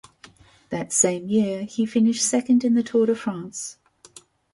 That same year, he finished second in the Tour de France.